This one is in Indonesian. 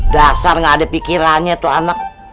dasar gak ada pikirannya tuh anak